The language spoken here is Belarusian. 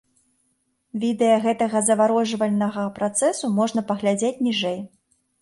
Відэа гэтага заварожвальнага працэсу можна паглядзець ніжэй.